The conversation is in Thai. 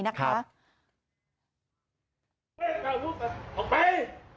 ออกไป